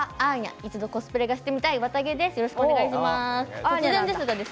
一度コスプレをしてみたいわたげです。